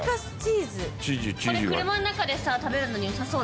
これ車の中で食べるのによさそうだね。